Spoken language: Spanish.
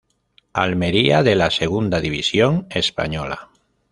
Almería de la segunda división española.